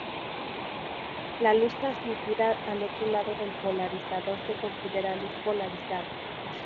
La luz transmitida al otro lado del polarizador se considera luz polarizada.